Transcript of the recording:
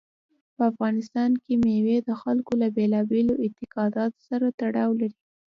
په افغانستان کې مېوې د خلکو له بېلابېلو اعتقاداتو سره تړاو لري.